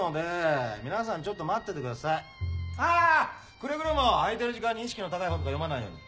くれぐれも空いてる時間に意識の高い本とか読まないように。